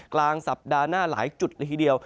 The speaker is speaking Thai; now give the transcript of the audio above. กลางสัปดาห์หน้าหลายจุดละทีเดียว